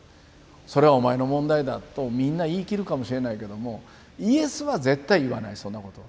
それはお前の問題だとみんな言い切るかもしれないけどもイエスは絶対言わないそんなことは。